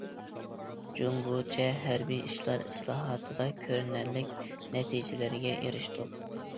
جۇڭگوچە ھەربىي ئىشلار ئىسلاھاتىدا كۆرۈنەرلىك نەتىجىلەرگە ئېرىشتۇق.